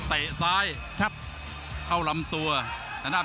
ภูตวรรณสิทธิ์บุญมีน้ำเงิน